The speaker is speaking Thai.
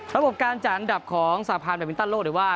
ระบบการจากอันดับของสาธารณะวิทยาลักษณ์โลกหรือว่า